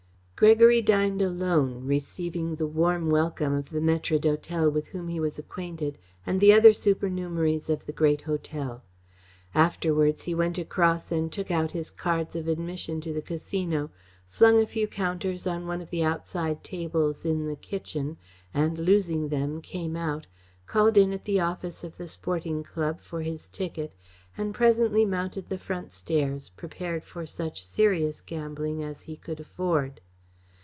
Gregory dined alone, receiving the warm welcome of the maîtres d'hôtel with whom he was acquainted, and the other supernumeraries of the great hotel. Afterwards he went across and took out his cards of admission to the Casino, flung a few counters on one of the outside tables in the "Kitchen" and, losing them, came out, called in at the office of the Sporting Club for his ticket and presently mounted the front stairs, prepared for such serious gambling as he could afford.